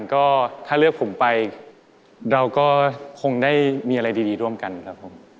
ก็ถ้าเลือกผมไปเราก็คงได้มีอะไรดีร่วมกันครับผม